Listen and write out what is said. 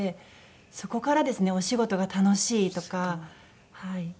そこからですねお仕事が楽しいとかはい。